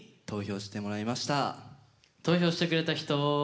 投票してくれた人。